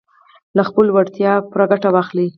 له خپلو وړتیاوو پوره ګټه واخلئ.